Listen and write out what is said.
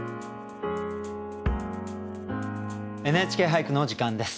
「ＮＨＫ俳句」の時間です。